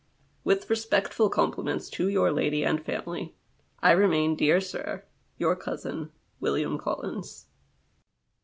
With respectful compliments to your lady and family, " I remain, dear sir, your cousin, " William Collins."